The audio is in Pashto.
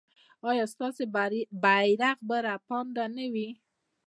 ایا ستاسو بیرغ به رپانده وي؟